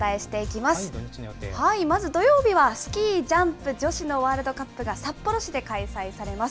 まず土曜日はスキージャンプ女子のワールドカップが、札幌市で開催されます。